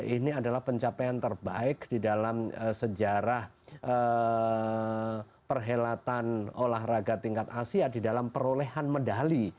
ini adalah pencapaian terbaik di dalam sejarah perhelatan olahraga tingkat asia di dalam perolehan medali